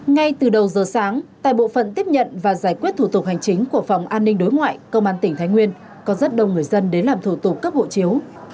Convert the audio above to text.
ngay từ đầu giờ sáng tại bộ phận tiếp nhận và giải quyết thủ tục hành chính của phòng an ninh đối ngoại công an tỉnh thái nguyên có rất đông người dân đến làm thủ tục cấp hộ chiếu